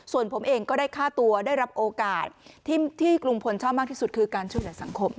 ส่วนผมเองก็ได้ค่าตัวได้รับโอกาสที่ลุงพลชอบมากที่สุดคือการช่วยเหลือสังคม